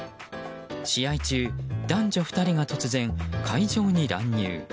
試合中、男女２人が突然、会場に乱入。